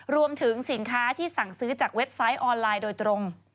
รวมถึงสินค้าที่สั่งซื้อจากเว็บไซต์ออนไลน์โดยตรง